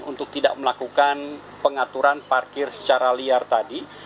untuk tidak melakukan pengaturan parkir secara liar tadi